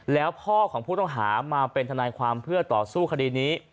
แล้วพ่อของผู้ต้องหามาเป็นทนายความเพื่อต่อสู้คดีนี้